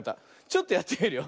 ちょっとやってみるよ。